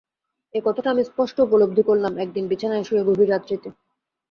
এ কথাটা আমি স্পষ্ট উপলব্ধি করলাম একদিন বিছানায় শুয়ে গভীর রাত্রিতে।